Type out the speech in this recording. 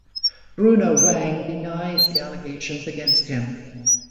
Bruno Wang denies the allegations against him.